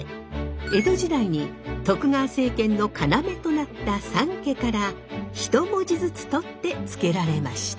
江戸時代に徳川政権の要となった三家から一文字ずつ取って付けられました。